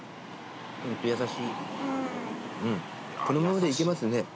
このままでいけますね。